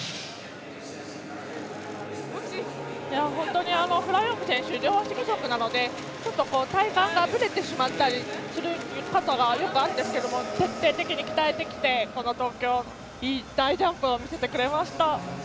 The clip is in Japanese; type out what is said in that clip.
本当にフラー・ヨング選手両足義足なのでちょっと体幹がぶれてしまったりすることが過去によくあるんですけども徹底的に鍛えてきてこの東京で大ジャンプを見せてくれました。